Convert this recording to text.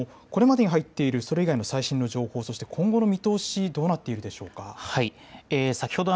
２人を乗せた飛行機が着陸したわけですがこれまでに入っているそれ以外の最新の情報、そして今後の見通し、どうなっているでしょうか。